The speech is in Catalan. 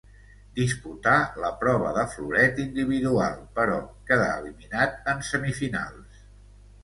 Disputà la prova de floret individual, però quedà eliminat en semifinals.